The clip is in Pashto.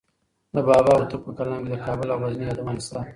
د بابا هوتک په کلام کې د کابل او غزني یادونه شته.